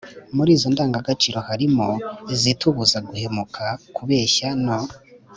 muri izo ndagagaciro harimo izitubuza guhemuka, kubeshya no